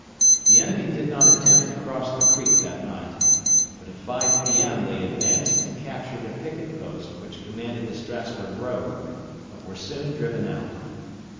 The enemy did not attempt to cross the creek that night, but at 5 P.M. they advanced and captured a picket post which commanded the Strasburg road, but were soon driven out.